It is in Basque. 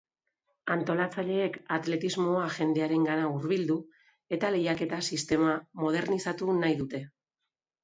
Antolatzaileek atletismoa jendearengana hurbildu eta lehiaketa sistema modernizatu nahi dute.